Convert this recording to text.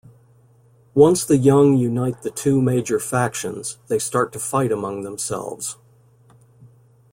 Once the Young unite the two major factions, they start to fight among themselves.